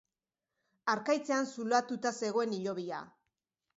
Harkaitzean zulatuta zegoen hilobia